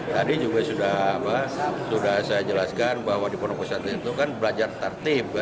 tadi juga sudah saya jelaskan bahwa di pondok pesantren itu kan belajar tertib